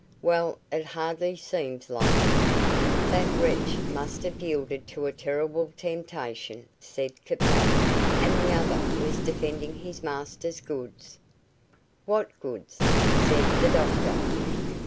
"Well, it hardly seems like it." "That wretch must have yielded to a terrible temptation," said Capel, "and the other was defending his master's goods." "What goods?" said the doctor.